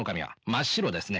真っ白ですね。